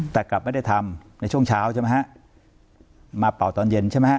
แต่กลับไม่ได้ทำในช่วงเช้าใช่ไหมฮะมาเป่าตอนเย็นใช่ไหมฮะ